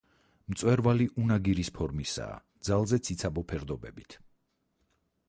მწვერვალი უნაგირის ფორმისაა, ძალზე ციცაბო ფერდობებით.